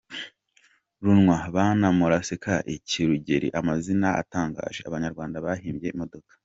Runwa, Bana muraseka iki?, Rugeri… Amazina atangaje Abanyarwanda bahimbye imodoka.